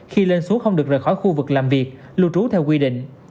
khi lên xuống không được rời khỏi khu vực làm việc lưu trú theo quy định